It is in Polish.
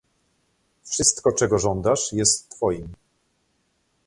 "Wszystko, czego żądasz, jest twoim."